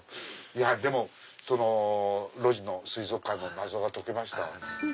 でも路地の水族館の謎が解けました。